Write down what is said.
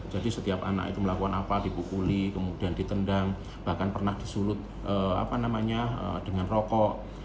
jadi setiap anak itu melakukan apa dibukuli kemudian ditendang bahkan pernah disulut dengan rokok